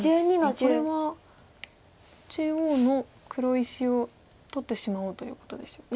これは中央の黒石を取ってしまおうということですよね。